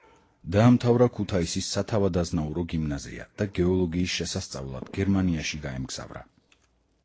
დაამთავრა ქუთაისის სათავადაზნაურო გიმნაზია და გეოლოგიის შესასწავლად გერმანიაში გაემგზავრა.